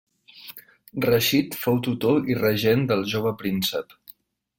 Rashid fou tutor i regent del jove príncep.